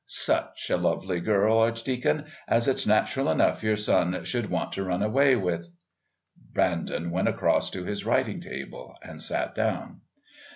Such a lovely girl, Archdeacon, as it's natural enough your son should want to run away with." Brandon went across to his writing table and sat down.